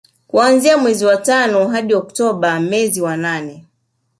Kuanzia mwezi wa tano hadi Oktoba mezi wa nane